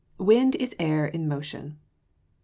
_ Wind is air in motion.